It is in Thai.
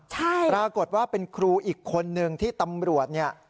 ใช่ปรากฏว่าเป็นครูอีกคนนึงที่ตำรวจเนี่ย